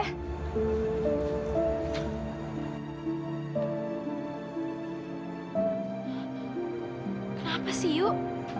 kenapa sih yuk